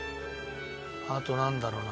あとなんだろうな。